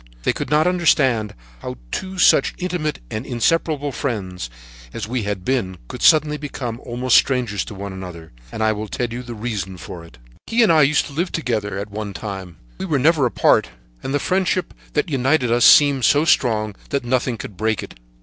They could not understand how two such intimate and inseparable friends, as we had been, could suddenly become almost strangers to one another, and I will tell you the reason of it. "He and I used to live together at one time. We were never apart, and the friendship that united us seemed so strong that nothing could break it.